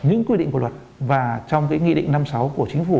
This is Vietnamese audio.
những quy định của luật và trong cái nghị định năm sáu của chính phủ